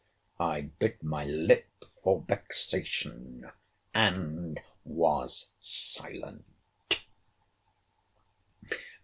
I bit my lip for vexation. And was silent.